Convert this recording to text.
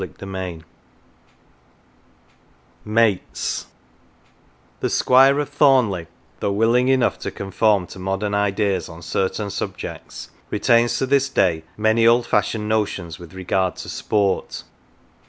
248 MATES MATES THE Squire of Thomleigh, though willing enough to conform to modern ideas on certain subjects, retains to this day many old fashioned notions with regard to sport.